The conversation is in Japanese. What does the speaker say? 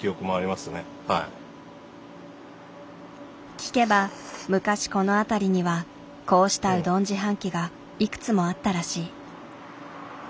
聞けば昔この辺りにはこうしたうどん自販機がいくつもあったらしい。